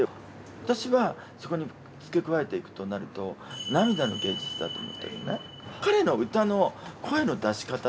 私はそこに付け加えていくとなると涙の芸術だと思ってるのね。